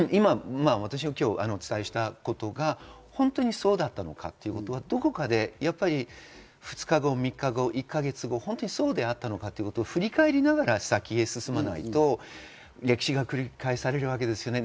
今、お伝えしたことが本当にそうだったのかということは、どこかで２日後、３日後、１か月後、そうであったのかということを振り返りながら先へ進まないと歴史が繰り返されるわけです。